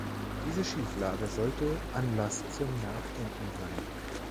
Diese Schieflage sollte Anlass zum Nachdenken sein.